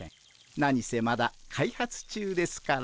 何せまだ開発中ですから。